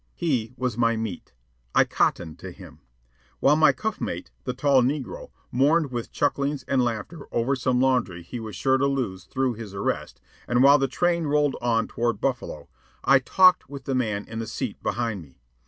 He was my "meat." I "cottoned" to him. While my cuff mate, the tall negro, mourned with chucklings and laughter over some laundry he was sure to lose through his arrest, and while the train rolled on toward Buffalo, I talked with the man in the seat behind me.